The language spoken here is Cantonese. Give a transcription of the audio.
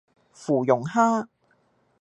芙蓉蝦